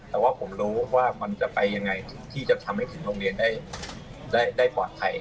แต่ว่าผมรู้ว่ามันจะไปยังไงที่จะทำให้ถึงโรงเรียนได้ปลอดภัย